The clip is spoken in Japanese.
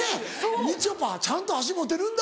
みちょぱちゃんと箸持てるんだ！」。